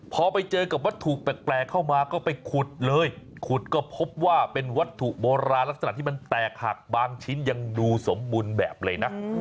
พอไปเจอกับวัตถุแปลกเข้ามาก็ไปขุดเลยขุดก็พบว่าเป็นวัตถุโบราณลักษณะที่มันแตกหักบางชิ้นยังดูสมบูรณ์แบบเลยนะ